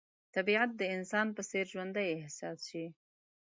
طبیعت د انسان په څېر ژوندی احساس شي.